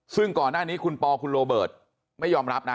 ซึ่งก่อนหน้านี้คุณปอคุณโรเบิร์ตไม่ยอมรับนะ